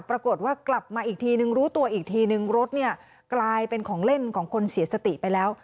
ปรากฏว่ากลับมาอีกทีนึงรู้ตัวอีกทีนึงรถเนี่ยกลายเป็นของเล่นของคนเสียสติไปแล้ว